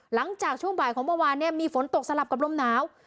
หลังจากช่วงบ่ายของเมื่อวานเนี่ยมีฝนตกสลับกับลมหนาว